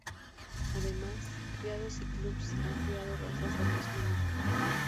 Además, criadores y clubs han creado razas del mismo nombre